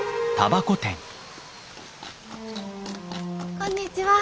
こんにちは。